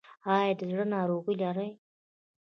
ایا د زړه ناروغي لرئ؟